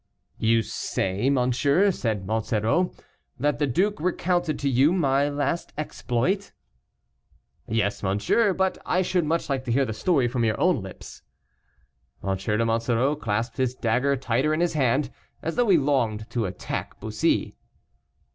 "You say, monsieur," said Monsoreau, "that the Duke recounted to you my last exploit?" "Yes, monsieur, but I should much like to hear the story from your own lips." M. de Monsoreau clasped his dagger tighter in his hand, as though he longed to attack Bussy.